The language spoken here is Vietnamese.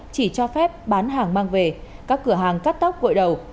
chỉ cho phép bán hàng mang về các cửa hàng cắt tóc gội đầu